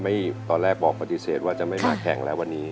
ตอนแรกบอกปฏิเสธว่าจะไม่มาแข่งแล้ววันนี้